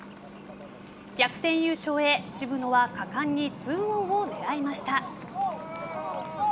逆転優勝へ、渋野は果敢にツーオンを狙いました。